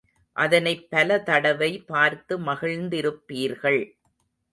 அதனைப் பலதடவை பார்த்து மகிழ்ந்திருப்பீர்கள்.